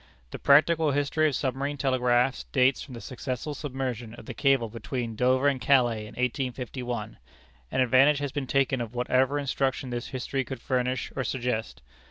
The practical history of submarine telegraphs dates from the successful submersion of the cable between Dover and Calais in 1851, and advantage has been taken of whatever instruction this history could furnish or suggest.